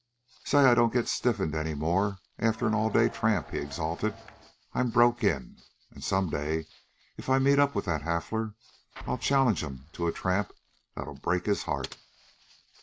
"Say, I don't get stiffened any more after an all day tramp," he exulted. "I'm broke in. An' some day, if I meet up with that Hafler, I'll challenge'm to a tramp that'll break his heart."